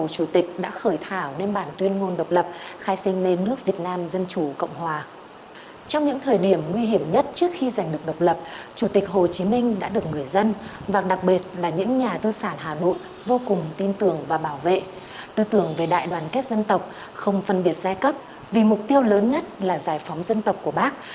tư tưởng về đại đoàn kết dân tộc không phân biệt xe cấp vì mục tiêu lớn nhất là giải phóng dân tộc của bác